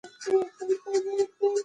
خوراک د روغتیا پر حالت اغېز لري.